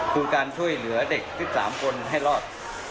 คือการช่วยเหลือเด็ก๑๓คนให้รอด